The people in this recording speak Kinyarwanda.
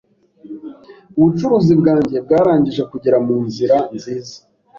Ubucuruzi bwanjye bwarangije kugera munzira nziza.